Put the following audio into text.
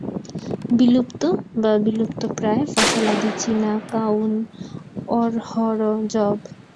বিলুপ্ত বা বিলুপ্তপ্রায় ফসলাদি চিনা, কাউন, অড়হর, যব।